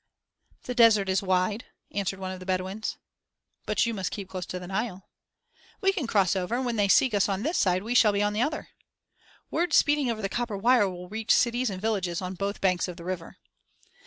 "The desert is wide," answered one of the Bedouins. "But you must keep close to the Nile." "We can cross over, and when they seek us on this side we shall be on the other." "Words speeding over the copper wire will reach cities and villages on both banks of the river."